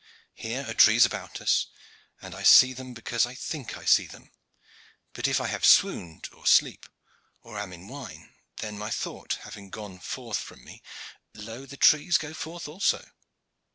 Here are trees about us, and I see them because I think I see them, but if I have swooned, or sleep, or am in wine, then, my thought having gone forth from me, lo the trees go forth also.